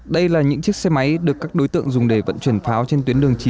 đây là những chiếc xe máy được các đối tượng dùng để vận chuyển pháo trên tuyến đường chín